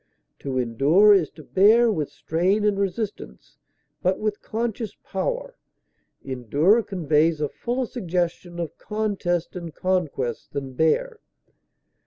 To endure is to bear with strain and resistance, but with conscious power; endure conveys a fuller suggestion of contest and conquest than bear.